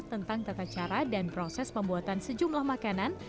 tentang tata cara dan proses pembuatan sejumlah makanan